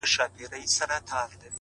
وخت هوښیارانو ته ارزښت لري.!